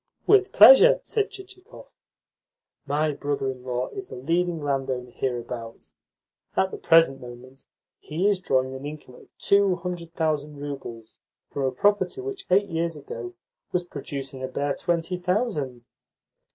"With pleasure," said Chichikov. "My brother in law is the leading landowner hereabouts. At the present moment he is drawing an income of two hundred thousand roubles from a property which, eight years ago, was producing a bare twenty thousand."